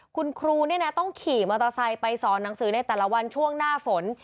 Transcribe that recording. คุณครูต้องขี่มอเตอร์ไซค์ไปสอนหนังสือในแต่ละวันช่วงหน้าฝน